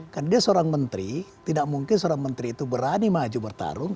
karena dia seorang menteri tidak mungkin seorang menteri itu berani maju bertarung